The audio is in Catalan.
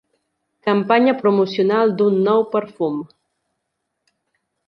Campanya promocional d'un nou perfum.